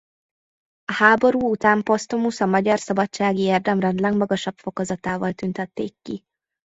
A háború után posztumusz a Magyar Szabadsági Érdemrend legmagasabb fokozatával tüntették ki.